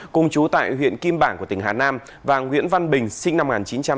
cùng chú tại huyện kim bảng của tỉnh hà nam và nguyễn văn bình sinh năm một nghìn chín trăm tám mươi